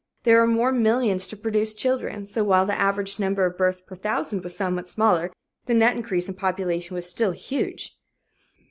There were more millions to produce children, so while the average number of births per thousand was somewhat smaller, the net increase in population was still huge.